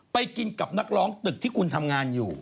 ไปกินกับนักร้องตึกที่คุณทำงานอยู่